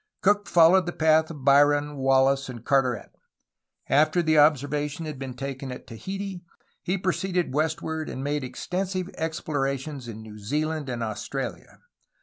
Cook followed the path of Biron, Wallis, and Carteret. After the observation had been taken at Tahiti, he proceeded west ward and made extensive explorations in New Zealand and Australia.